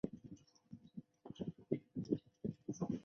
它得名于瓦西里岛东端岬角著名的老证券交易所大楼。